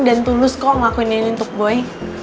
dan tulus kok ngelakuin ini untuk boy